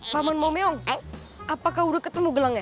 paman momiong apakah kau sudah ketemu gelangnya